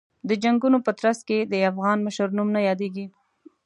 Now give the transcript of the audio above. د جنګونو په ترڅ کې د افغان مشر نوم نه یادېږي.